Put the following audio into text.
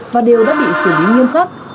và đều đã bị xử lý nghiêm khắc